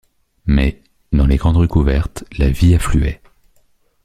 Mais, dans les grandes rues couvertes, la vie affluait.